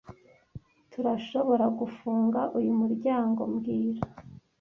Tturashoboragufunga uyu muryango mbwira